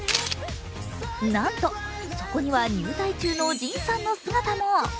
なんと、そこには入隊中のＪＩＮさんの姿も。